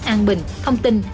an bình thông tin